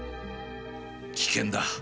危険だ。